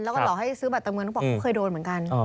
แล้วก็หลอกให้ซื้อบัตรเติมเงินเขาบอกเขาเคยโดนเหมือนกัน